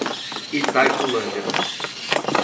Itaipulândia